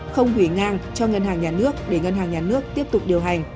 không hủy ngang cho ngân hàng nhà nước để ngân hàng nhà nước tiếp tục điều hành